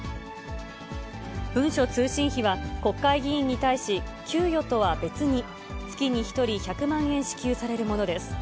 文書通信費は、国会議員に対し、給与とは別に月に１人１００万円支給されるものです。